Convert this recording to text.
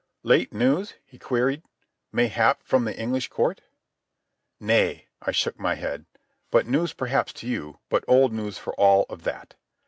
"Late news?" he queried. "Mayhap from the English Court?" "Nay," I shook my head. "But news perhaps to you, but old news for all of that.